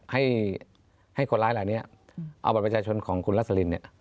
ให้คนร้ายเหล่านี้เอาบัตรประชาชนของคุณรัสลินเนี่ย